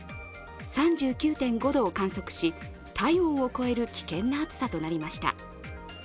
３９．５度を観測し、体温を超える危険な暑さとなりました。